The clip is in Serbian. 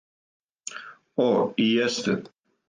О, и јесте.